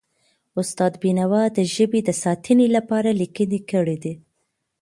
استاد بینوا د ژبې د ساتنې لپاره لیکنې کړی دي.